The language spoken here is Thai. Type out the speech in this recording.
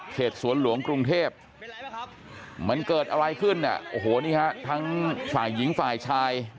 สวนหลวงกรุงเทพมันเกิดอะไรขึ้นเนี่ยโอ้โหนี่ฮะทั้งฝ่ายหญิงฝ่ายชาย